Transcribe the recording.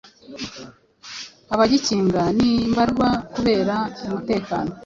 Abagikinga nimbarwa kubera umutekano